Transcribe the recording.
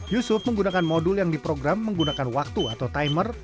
yusuf menggunakan modul yang diprogram menggunakan waktu atau timer